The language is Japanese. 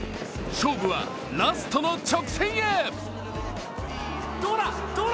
勝負はラストの直線へ。